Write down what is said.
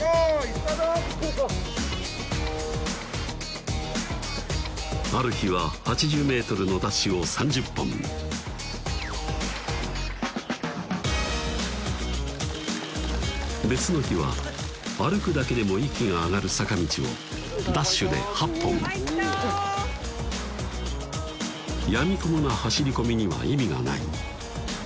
スタートある日は８０ｍのダッシュを３０本別の日は歩くだけでも息が上がる坂道をダッシュで８本やみくもな走り込みには意味がない